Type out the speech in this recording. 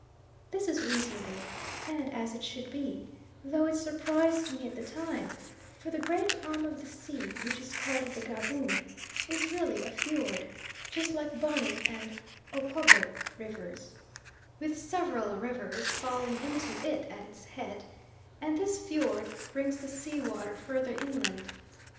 This is reasonable and as it should be, though it surprised me at the time; for the great arm of the sea which is called the Gaboon is really a fjord, just like Bonny and Opobo rivers, with several rivers falling into it at its head, and this fjord brings the sea water further inland.